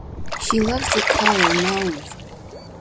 She loved the color mauve.